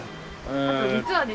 あと実はですね